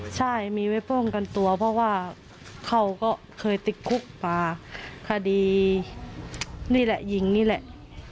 ใช่มีไว้ป้องกันตัวเพราะว่าเขาก็เคยติดคุกมาคดีนี่แหละยิงนี่แหละ